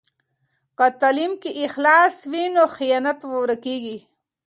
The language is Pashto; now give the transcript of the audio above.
که په تعلیم کې اخلاص وي نو خیانت ورکېږي.